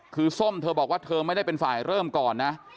คือส้มเธอบอกว่าเธอไม่ได้เป็นฝ่ายเริ่มก่อนนะ